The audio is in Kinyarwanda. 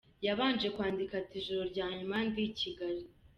Yabanje kwandika ati "Ijoro rya nyuma ndi i Kigali.